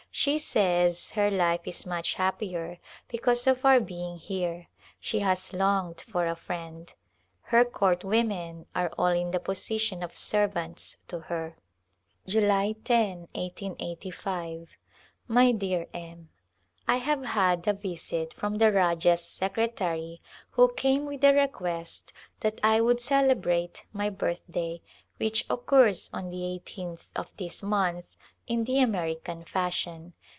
She says her life is much happier because of our being here ; she has longed for 2ifrie?id. Her court women are all in the position of servants to her. July JO, iSSs, My dear M : I have had a visit from the Rajah's secretary who came with a request that I would celebrate my birthday — which occurs on the eighteenth of this month — in the American fashion.